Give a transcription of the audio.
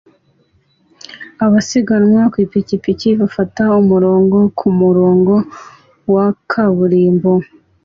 Abasiganwa ku ipikipiki bafata umurongo ku murongo wa kaburimbo